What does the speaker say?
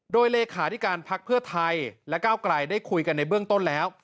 โดยเลขาธิการพักเพื่อไทยและก้าวไกลได้คุยกันในเบื้องต้นแล้ว